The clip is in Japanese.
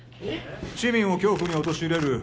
市民を恐怖に陥れる